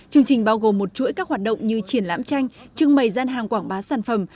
chương trình bao gồm một chuỗi các hoạt động như triển lãm tranh trưng mầy gian hàng quảng bá sản phẩm